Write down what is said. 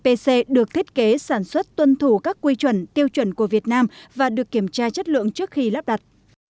pc được thiết kế sản xuất tuân thủ các quy chuẩn tiêu chuẩn của việt nam và được kiểm tra chất lượng trước khi lắp đặt